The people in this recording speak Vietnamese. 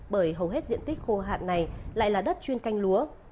bởi hầu hết diện tích khô hạn này lại là đất chuyên canh lúa